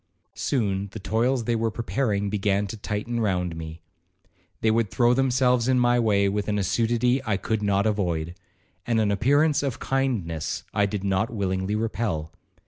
Soon the toils they were preparing began to tighten round me. They would throw themselves in my way with an assiduity I could not avoid, and an appearance of kindness I did not willingly repel.